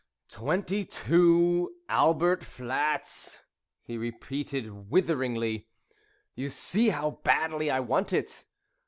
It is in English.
"22, Albert Flats," he repeated witheringly. "You see how badly I want it.